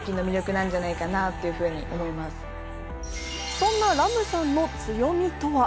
そんなＲＡＭさんの強みとは？